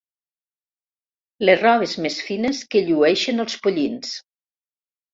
Les robes més fines que llueixen els pollins.